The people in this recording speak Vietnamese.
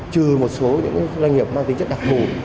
trừ một số những cái doanh nghiệp mang tính chất đặc mù